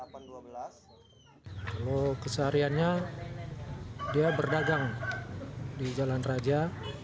kalau kesehariannya dia berdagang di jalan raja